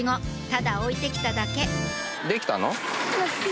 ただ置いて来ただけできたの？